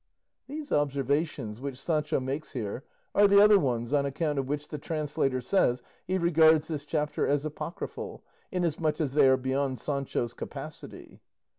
These observations which Sancho makes here are the other ones on account of which the translator says he regards this chapter as apocryphal, inasmuch as they are beyond Sancho's capacity.